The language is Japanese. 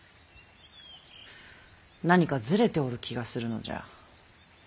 何かずれておる気がするのじゃ。